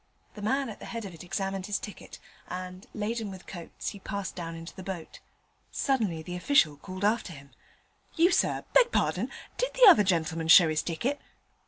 The man at the head of it examined his ticket, and, laden with coats, he passed down into the boat. Suddenly the official called after him, 'You, sir, beg pardon, did the other gentleman show his ticket?'